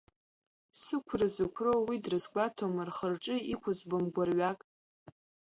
Сықәра зықәроу уи дрызгәаҭом, рхы-рҿы иқәызбом гәырҩак.